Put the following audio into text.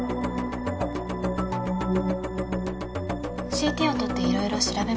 ＣＴを撮っていろいろ調べました。